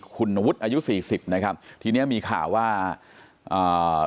คุณวุฒิอายุสี่สิบนะครับทีเนี้ยมีข่าวว่าอ่า